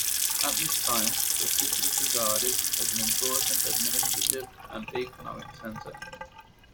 At this time, the city was regarded as an important administrative and economic centre.